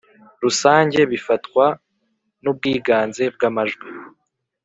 Rusange bifatwa n ubwiganze bw amajwi